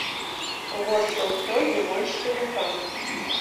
Горш за ўсё зімой шчанюкам.